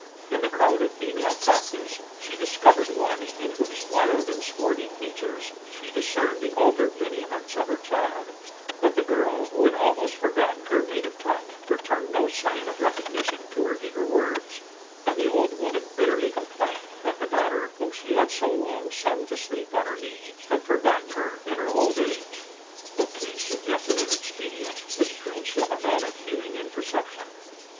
In the crowd of female captives, she discovered one in whose wild and swarthy features she discerned the altered lineaments of her child; but the girl, who had almost forgotten her native tongue, returned no sign of recognition to her eager words, and the old woman bitterly complained that the daughter, whom she had so often sung to sleep on her knee, had forgotten her in her old age. Bouquet suggested an expedient which proves him a man of feeling and perception.